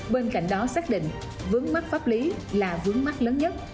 bên cạnh đó xác định vướng mắc pháp lý là vướng mắt lớn nhất